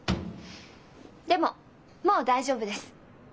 でももう大丈夫です。